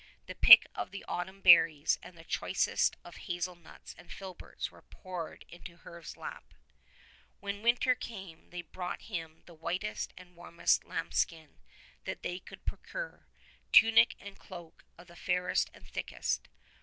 The pick of the autumn berries and the choicest of hazel nuts and filberts were poured into Herve's lap. When winter came they brought him the whitest and warmest lambskin that they could procure — tunic and cloak of the fairest and thickest.